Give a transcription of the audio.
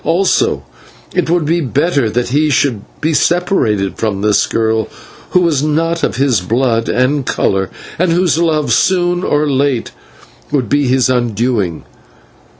Also, it would be better that he should be separated from this girl, who was not of his blood and colour, and whose love soon or late would be his undoing.